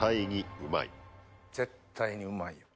絶対にうまいよ。